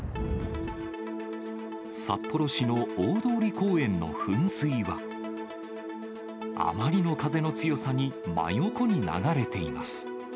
札幌市の大通公園の噴水は、あまりの風の強さに真横に流れています。